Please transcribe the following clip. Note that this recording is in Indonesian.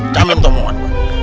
jangan mentok muat